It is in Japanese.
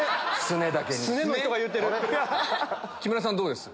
木村さんどうです？